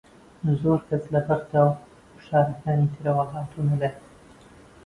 زۆر کەس لە بەغدا و شارەکانی ترەوە هاتوونە لای